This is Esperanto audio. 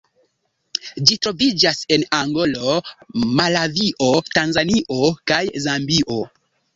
Ĝi troviĝas en Angolo, Malavio, Tanzanio kaj Zambio.